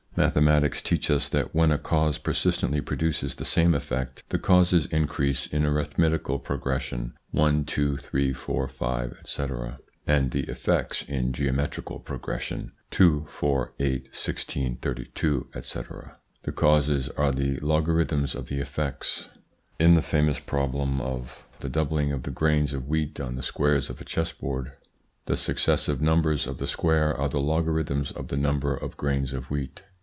Mathematics teach us that when a cause persistently produces the same effect, the causes increase in arithmetical progression (i, 2, 3, 4, 5, &c. ), and the effects in geometrical progession (2, 4, 8, 16, 32, &c.). The causes are the logarithms of the effects. In the famous problem of the doubling of the grains of wheat on the squares of a chessboard, the successive numbers of the square are the logarithms of the number of grains of wheat.